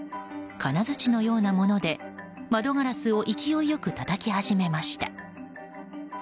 金づちのようなもので窓ガラスを勢いよくたたき始めました。